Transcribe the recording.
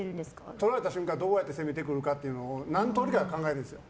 とられた瞬間どうやって攻めてくるかって何通りか考えるんですよ。